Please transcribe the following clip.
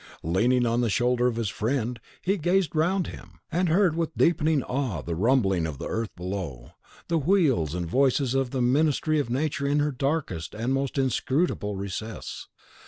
Leaning on the shoulder of his friend, he gazed around him, and heard with deepening awe the rumbling of the earth below, the wheels and voices of the Ministry of Nature in her darkest and most inscrutable recess.